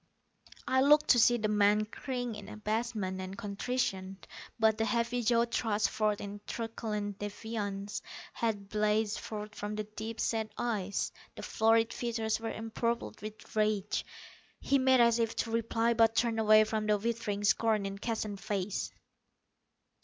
I looked to see the man cringe in abasement and contrition. But the heavy jaw thrust forth in truculent defiance; hate blazed forth from the deep set eyes; the florid features were empurpled with rage. He made as if to reply, but turned away from the withering scorn in Keston's face.